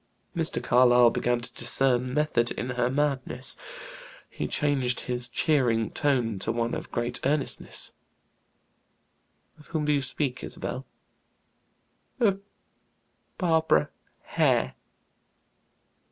Mr. Carlyle began to discern "method in her madness." He changed his cheering tone to one of grave earnestness. "Of whom to you speak, Isabel?" "Of Barbara Hare."